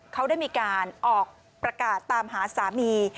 เขาได้มีการออกประกาศตามหาสามี